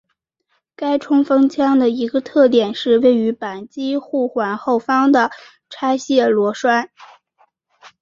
该冲锋枪的一个特点是位于扳机护环后方的拆卸螺栓。